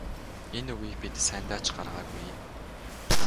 Энэ үгийг бид сайндаа ч гаргаагүй.